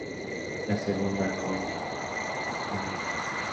La segunda con Dña.